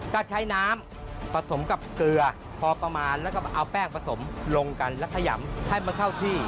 ก็ใช้น้ำผสมกับเกลือพอประมาณแล้วก็เอาแป้งผสมลงกันแล้วขยำให้มันเข้าที่